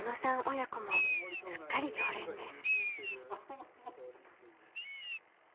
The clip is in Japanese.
親子もすっかり常連です。